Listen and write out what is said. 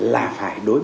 là phải đối tượng